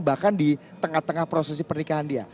bahkan di tengah tengah prosesi pernikahan dia